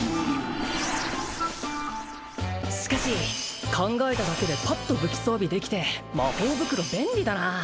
しかし考えただけでパッと武器装備できて魔法袋便利だな